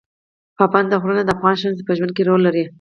پابندی غرونه د افغان ښځو په ژوند کې رول لري.